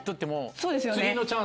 そうですよね。